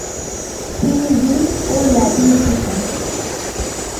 তিনি গ্রীক ও ল্যাটিন শিখেন।